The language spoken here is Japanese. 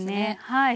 はい。